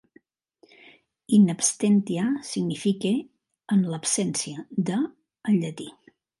"In abstentia" significa "en l'absència de" en llatí.